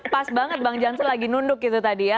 pas banget bang jansen lagi nunduk gitu tadi ya